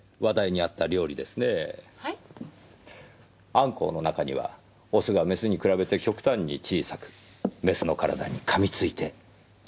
アンコウの中にはオスがメスに比べて極端に小さくメスの体に噛みついて寄生する種類がいるそうです。